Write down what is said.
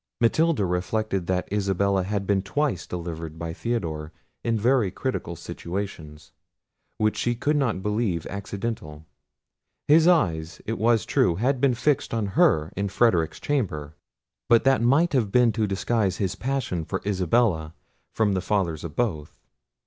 Matilda reflected that Isabella had been twice delivered by Theodore in very critical situations, which she could not believe accidental. His eyes, it was true, had been fixed on her in Frederic's chamber; but that might have been to disguise his passion for Isabella from the fathers of both.